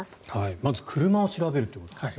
まず車を調べるということですね。